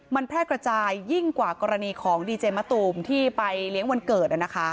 มันแพร่กระจายยิ่งกว่ากรณีของดีเจมะตูมที่ไปเลี้ยงวันเกิด